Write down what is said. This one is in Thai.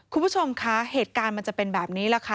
คุณผู้ชมคะเหตุการณ์มันจะเป็นแบบนี้แหละค่ะ